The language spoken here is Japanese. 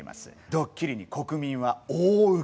ドッキリに国民は大ウケ！